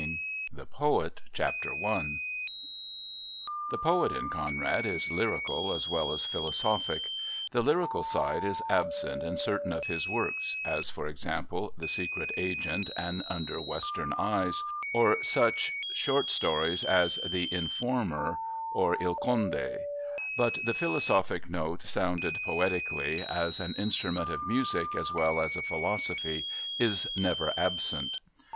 III THE POET I The poet in Conrad is lyrical as well as philosophic. The lyrical side is absent in certain of his works, as, for example, The Secret Agent, and Under Western Eyes, or such short stories as The Informer, or Il Conde, but the philosophic note sounded poetically, as an instrument of music as well as a philosophy, is never absent.